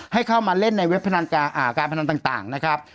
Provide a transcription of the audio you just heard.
ให้เข้ามาเล่นในเว็บการพนันต่างนะครับ